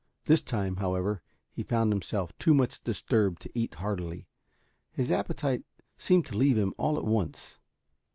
This time, however, he found himself too much disturbed to eat heartily. His appetite seemed to leave him all at once.